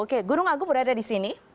oke gunung agung berada di sini